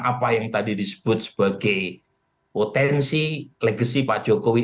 apa yang tadi disebut sebagai potensi legasi pak jokowi